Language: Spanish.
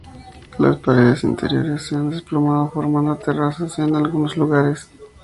Las paredes interiores se han desplomado, formando terrazas en algunos lugares.